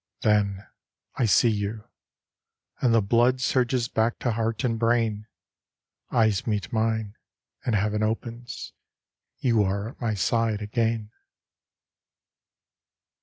Then I see you. And the blood Surges back to heart and brain. Eyes meet mine, and Heaven opens. You are at my side again.